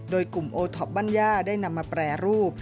โดยกลุ่มโอท็อปบ้านย่าได้นำมาแปรรูป